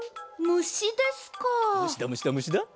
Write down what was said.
むしだむしだむしだ。